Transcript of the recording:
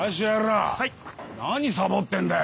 何サボってんだよ？